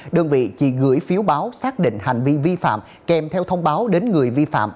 đơn vị chỉ gửi phiếu báo xác định hành vi vi phạm kèm theo thông báo đến người vi phạm